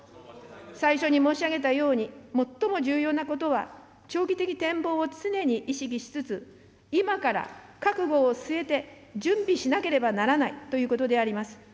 最初に申し上げたように、最も重要なことは長期的展望を常に意識しつつ、今から覚悟を据えて準備しなければならないということであります。